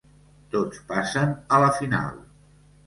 Tots passen a la final.